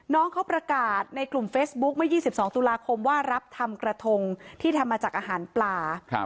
น้องเขาประกาศในกลุ่มเฟซบุ๊คเมื่อ๒๒ตุลาคมว่ารับทำกระทงที่ทำมาจากอาหารปลา